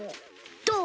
どう！？